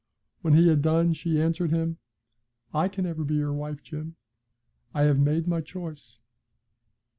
When he had done she answered him: 'I can never be your wife, Jim. I have made my choice.'